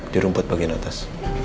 di rumput bagian atas